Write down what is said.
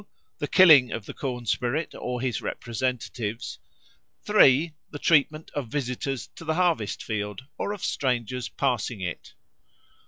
the killing of the corn spirit or his representatives; III. the treatment of visitors to the harvest field or of strangers passing it.